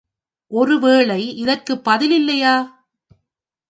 ஒருவேளை இதற்குப் பதிலே இல்லையா?